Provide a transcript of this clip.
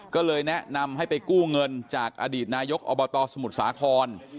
ก็เลยแนะนำให้ไปกู้เงินจากอดีตนายกอบตสมุทรสาคร